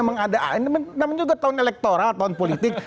namanya juga tahun elektoral tahun politik